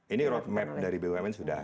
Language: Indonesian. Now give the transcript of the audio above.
ini road map dari bumn sudah